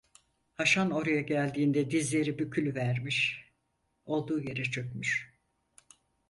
Haşan oraya geldiğinde dizleri bükülüvermiş, olduğu yere çökmüş: